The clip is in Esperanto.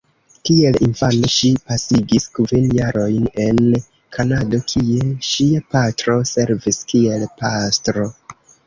Kiel infano ŝi pasigis kvin jarojn en Kanado, kie ŝia patro servis kiel pastro.